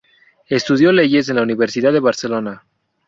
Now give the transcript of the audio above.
Estudió leyes en la Universidad de Barcelona.